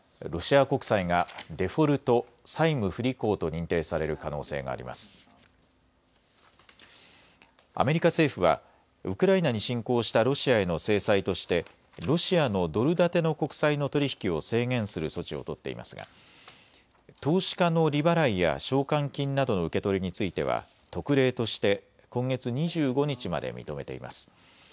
アメリカ政府はウクライナに侵攻したロシアへの制裁としてロシアのドル建ての国債の取り引きを制限する措置を取っていますが投資家の利払いや償還金などの受け取りについては特例として今月２５日まで認めています。